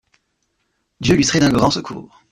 Dieu lui serait d'un grand secours.